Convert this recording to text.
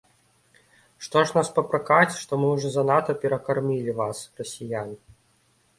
Што ж нас папракаць, што мы ўжо занадта перакармілі вас, расіян.